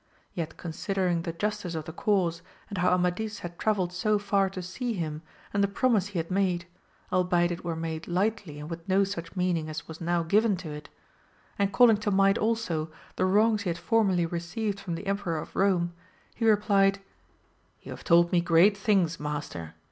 Yet considering the justice of the cause, and how Amadis had travelled so far to see him, and the promise he had made, albeit it were made lightly and with no such meaning as was now given to it, and calling to mind also the wrongs he had formerly received from the Emperor of Rome, he replied, You have told me great things master